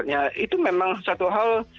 ya itu memang satu hal